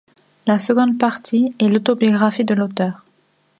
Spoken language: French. La seconde partie est l'autobiographie de l'auteur.